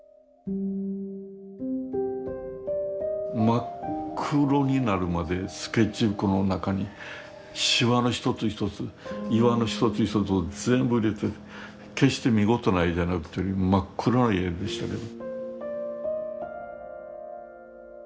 真っ黒になるまでスケッチブックの中にシワの一つ一つ岩の一つ一つを全部入れて決して見事な絵じゃなくて真っ黒な絵でしたけど。